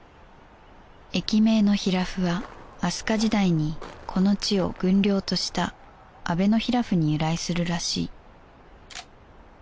駅名の比羅夫は飛鳥時代にこの地を軍領とした阿倍比羅夫に由来するらしい